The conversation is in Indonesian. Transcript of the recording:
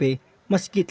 meski telah dihukum